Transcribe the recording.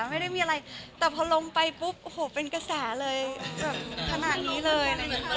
ไม่ได้มีอะไรแต่พอลงไปปุ๊บโหเป็นกระแสเลยแบบขนาดนี้เลย